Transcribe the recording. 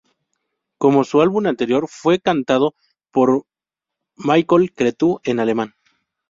Como su álbum anterior, fue cantado por Michael Cretu en alemán.